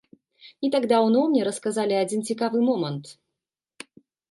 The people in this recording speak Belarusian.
Не так даўно мне расказалі адзін цікавы момант.